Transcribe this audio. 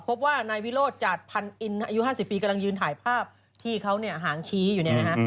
พบว่านายวิโรธจาดพันอินอายุ๕๐ปีกำลังยืนถ่ายภาพที่เขาเนี่ยหางชี้อยู่เนี่ยนะฮะ